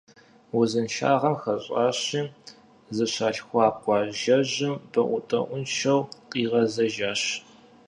И узыншагъэм хэщӏами, зыщалъхуа къуажэжьым бэӏутӏэӏуншэу къигъэзэжащ.